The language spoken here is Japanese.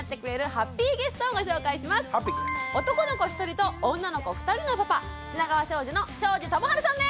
男の子１人と女の子２人のパパ品川庄司の庄司智春さんです！